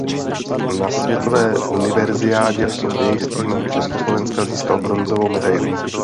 Na Světové univerziádě v Sofii s týmem Československa získal bronzovou medaili.